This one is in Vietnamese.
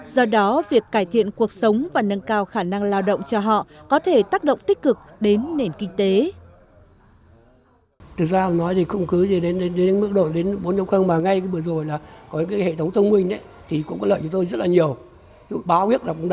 do đó việc cải thiện cuộc sống và nâng cao khả năng lao động cho họ có thể tác động tích cực đến nền kinh tế